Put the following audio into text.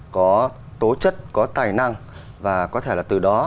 có tố chất có tài năng và có thể là từ đó